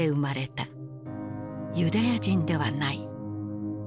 ユダヤ人ではない。